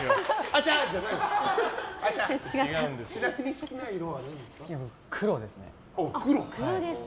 ちなみに好きな色はなんですか？